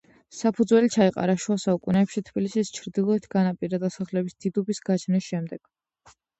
საფუძველი ჩაეყარა შუა საუკუნეებში თბილისის ჩრდილოეთ განაპირა დასახლების, დიდუბის, გაჩენის შემდეგ.